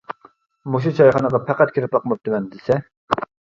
مۇشۇ چايخانىغا پەقەت كىرىپ باقماپتىمەن دېسە.